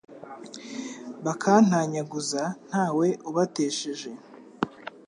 bakantanyaguza nta we ubatesheje